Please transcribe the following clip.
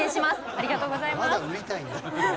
ありがとうございます。